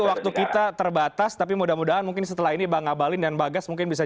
waktu kita terbatas tapi mudah mudahan mungkin setelah ini bang abalin dan bagas mungkin bisa